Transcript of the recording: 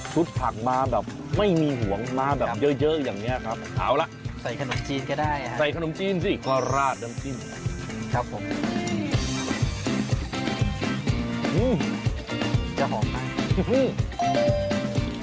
สุดผักม้าแบบไม่มีหวงม้าแบบเยอะอย่างนี้ครับ